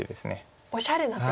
おしゃれな手。